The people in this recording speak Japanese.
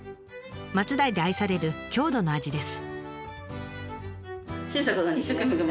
松代で愛される郷土の味です。